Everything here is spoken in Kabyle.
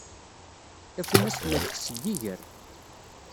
Tafunast la tkess deg yiger.